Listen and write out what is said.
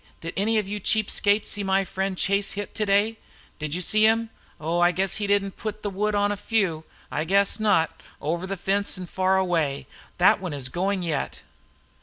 Did any of you cheap skates see my friend Chase hit today? Did you see him? Oh! I guess he didn't put the wood on a few! I guess not! Over the fence and far away! That one is going yet!"